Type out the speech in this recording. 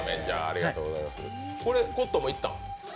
これ、コットンも行った？